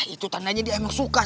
itu tandanya dia emang suka